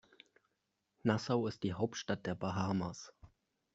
Nassau ist die Hauptstadt der Bahamas.